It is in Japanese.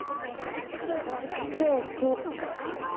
ケーキ。